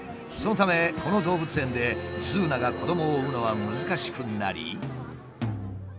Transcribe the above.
そのためこの動物園でズーナが子どもを産むのは難しくなり。